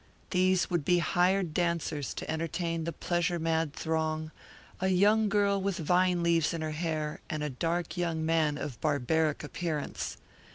These would be hired dancers to entertain the pleasure mad throng, a young girl with vine leaves in her hair and a dark young man of barbaric appearance.